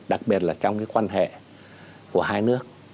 đặc biệt là trong cái quan hệ của hai nước